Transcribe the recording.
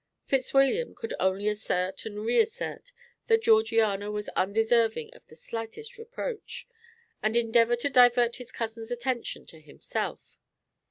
Fitzwilliam could only assert and reassert that Georgiana was undeserving of the slightest reproach, and endeavour to divert his cousin's attention to himself.